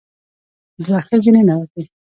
دوه ښځې ننوتې.